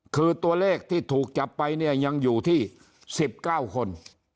คือตัวเลขที่ถูกจับไปเนี่ยยังอยู่ที่๑๙คน